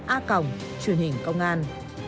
a còng truyền hình công an